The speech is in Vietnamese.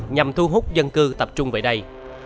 nhằm thu hút dân cư tập trung về đây